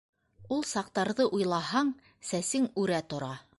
— Ул саҡтарҙы уйлаһаң, сәсең үрә тора.